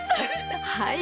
はい。